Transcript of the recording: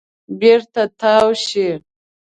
بېرته تاو شئ .